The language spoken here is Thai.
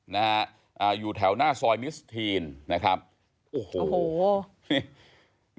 นะฮะเอ่ออยู่แถวหน้านิสทีนนะครับก็โอ้โห